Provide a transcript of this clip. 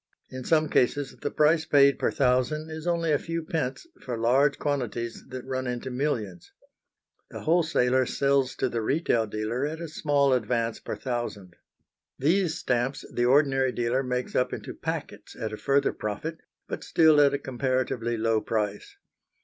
In some cases the price paid per thousand is only a few pence for large quantities that run into millions. The wholesaler sells to the retail dealer at a small advance per thousand. Those stamps the ordinary dealer makes up into packets at a further profit, but still at a comparatively low price.